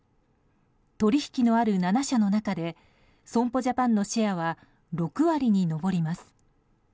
取引のある７社の中で損保ジャパンのシェアは６割に上ります。